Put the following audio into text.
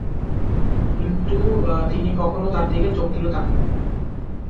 কিন্তু তিনি কখনো তার দিকে চোখ তুলে তাকান নি।